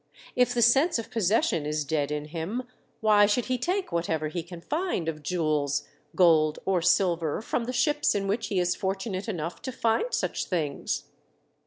If the sense of possession is dead in him, why should he take whatever he can find of jewels, gold or silver, from the ships in which he is fortunate enough to find such thinfrs